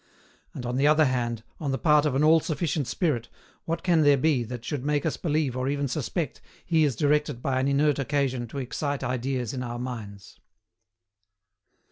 and, on the other hand, on the part of an All sufficient Spirit, what can there be that should make us believe or even suspect He is directed by an inert occasion to excite ideas in our minds?